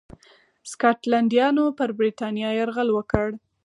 سکاټلنډیانو پر برېټانیا یرغل وکړ.